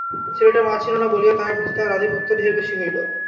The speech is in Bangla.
ছেলেটির মা ছিল না বলিয়া, তাহার প্রতি তাহার আধিপত্য ঢের বেশি হইল।